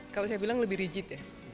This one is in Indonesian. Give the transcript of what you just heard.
kalau saya bilang lebih rigid ya